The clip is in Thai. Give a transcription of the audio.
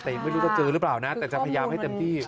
แต่ยังไม่รู้จะเจอหรือเปล่านะแต่จะพยายามให้เต็มที่